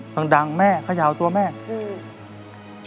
ตั้งดังแม่ขยาตัวแม่